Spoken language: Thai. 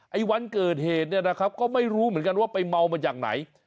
ไอ้วันเกิดเหตุก็ไม่รู้เหมือนกันว่าไปเมามาอย่างไหน